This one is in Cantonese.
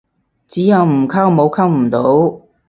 只有唔溝，冇溝唔到